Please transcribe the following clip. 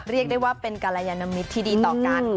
เรียกได้ว่าเป็นกรยานมิตรที่ดีต่อกัน